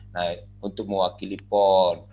nah untuk mewakili pon